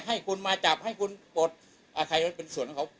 ให้คุณมาจับให้คุณปลดใครไว้เป็นส่วนของเขา